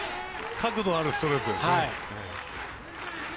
角度あるストレートですね。